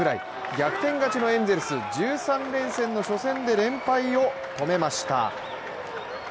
逆転勝ちのエンゼルス１３連戦の初戦で連敗を止めました。